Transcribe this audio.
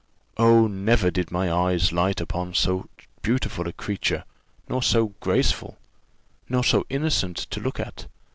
Oh, never did my eyes light upon so beautiful a creature, nor so graceful, nor so innocent to look at!"